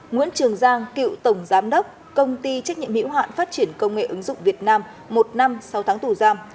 nguyễn trường giang cựu tổng giám đốc công ty trách nhiệm hiệu hạn phát triển công nghệ ứng dụng việt nam một năm sáu tháng tù giam